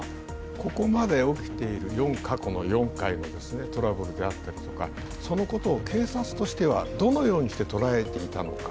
ここまで起きている過去の４回のトラブルであったりとかそのことを警察としてはどのようにして捉えていたのか。